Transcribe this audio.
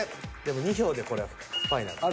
２票でこれファイナル。